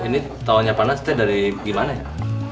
ini tawanya panas teh dari gimana ya